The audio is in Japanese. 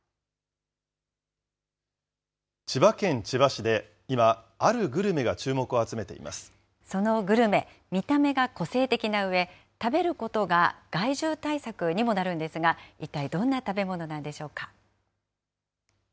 千葉県千葉市で今、そのグルメ、見た目が個性的なうえ、食べることが害獣対策にもなるんですが、一体どんな食べ物なんでしょうか。